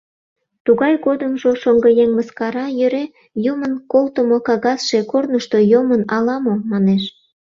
Тугай годымжо шоҥгыеҥ мыскара йӧре «Юмын колтымо кагазше корнышто йомын ала мо» манеш.